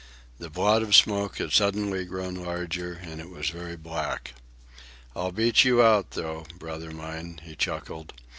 The blot of smoke had suddenly grown larger, and it was very black. "I'll beat you out, though, brother mine," he chuckled.